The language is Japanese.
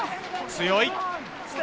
強い。